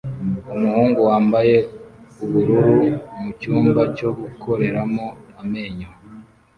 Umuhungu wambaye ubururu mucyumba cyo gukoreramo amenyo